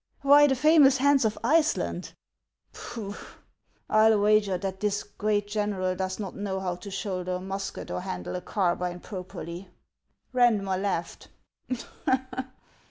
" Why, the famous Hans of Iceland !"" Pooh ! I '11 wager that this great general does not know how to shoulder a musket or handle a carbine properly." Eandmer laughed.